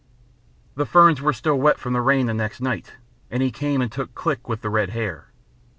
The ferns were still wet from the rain the next night, and he came and took Click with the red hair.